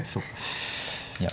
いや。